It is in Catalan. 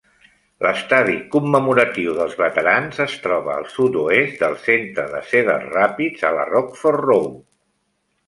L'estadi Commemoratiu dels Veterans es troba al sud-oest del centre de Cedar Rapids a la Rockford Road.